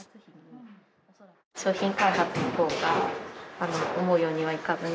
商品開発のほうが思うようにはいかずに。